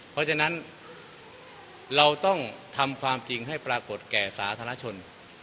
เพราะฉะนั้นเราต้องทำความจริงให้ปรากฏแก่สาธารณชน